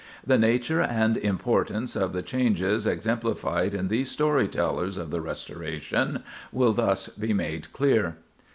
The nature and importance of the changes exemplified in these story tellers of the Restoration will thus be made clear.